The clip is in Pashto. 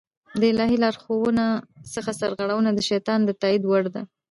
د الهي لارښوونو څخه سرغړونه د شيطان د تائيد وړ ده